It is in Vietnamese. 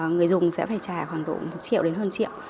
người dùng sẽ phải trả khoảng độ một triệu đến hơn triệu